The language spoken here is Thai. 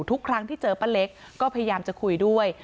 ทุกครั้งที่เจอป้าเล็กก็พยายามจะคุยด้วย